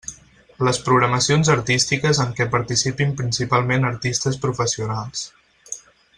Les programacions artístiques en què participin principalment artistes professionals.